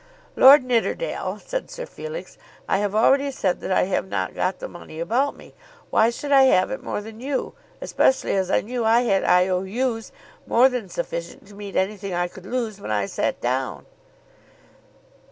"Lord Nidderdale," said Sir Felix, "I have already said that I have not got the money about me. Why should I have it more than you, especially as I knew I had I.O.U.'s more than sufficient to meet anything I could lose when I sat down?"